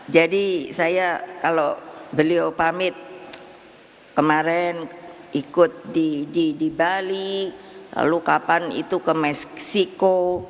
jadi saya kalau beliau pamit kemarin ikut di bali lalu kapan itu ke meksiko